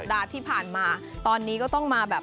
สร้างตีสันภายในงานให้คึกคักสนุกสนานกันสุด